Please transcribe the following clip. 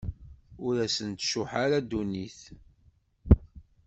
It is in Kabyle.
Ur asent-tcuḥḥ ara ddunit.